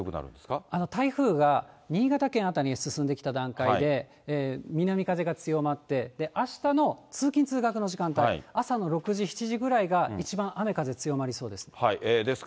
この台風が新潟県辺りに進んできた段階で、南風が強まって、あしたの通勤・通学の時間帯、朝の６時、７時ぐらいが一番雨風強まりそうです。